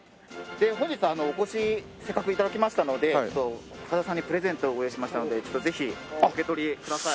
本日はお越しせっかく頂きましたので高田さんにプレゼントをご用意しましたのでぜひお受け取りください。